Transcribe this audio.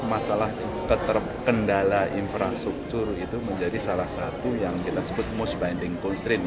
masalah terkendala infrastruktur itu menjadi salah satu yang kita sebut most binding constraint